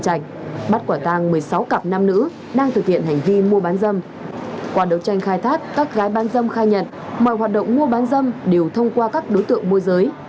đối tượng hoàng thu lợi bất chính từ tiền các gái ban dâm khai nhận mọi hoạt động mua ban dâm đều thông qua các đối tượng môi giới